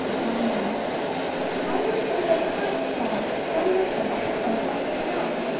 SMELLS Why is it that the poets tell So little of the sense of smell?